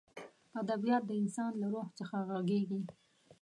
ادبیات د انسان له روح څخه غږېږي.